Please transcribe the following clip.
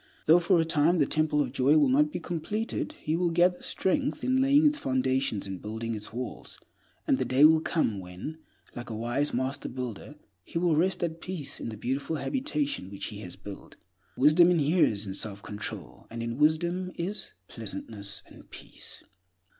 Though for a time the Temple of Joy will not be completed, he will gather strength in laying its foundations and building its walls; and the day will come when, like a wise master builder, he will rest at peace in the beautiful habitation which he has built. Wisdom inheres in self control and in wisdom is "pleasantness and peace."